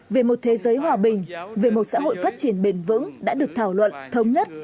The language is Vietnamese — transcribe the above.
về một thế giới hòa bình về một xã hội phát triển bền vững đã được thảo luận thống nhất